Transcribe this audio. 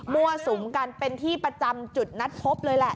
สุมกันเป็นที่ประจำจุดนัดพบเลยแหละ